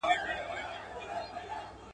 خپل ټولنیز مسؤلیتونه هېر نکړئ.